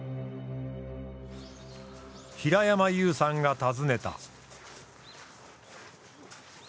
平山優さんが訪ねた。